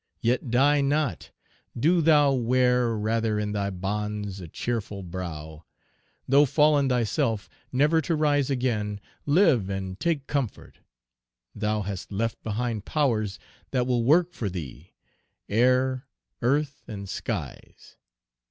Yet die not: do thou Wear rather in thy bonds a cheerful brow; Though fallen thyself, never to rise again, Live and take comfort. Thou hast left behind Powers that will work for thee: air, earth, and skies.